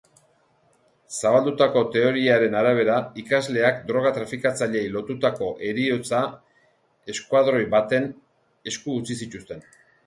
Zabaldutako teoriaren arabera, ikasleak droga-trafikatzaileei lotutako heriotza-eskuadroi baten esku utzi zituzten.